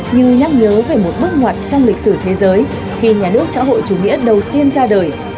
như nhắc nhớ về một bước ngoặt trong lịch sử thế giới khi nhà nước xã hội chủ nghĩa đầu tiên ra đời